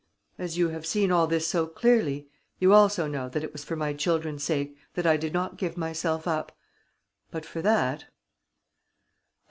"As you have seen all this so clearly, you also know that it was for my children's sake that I did not give myself up. But for that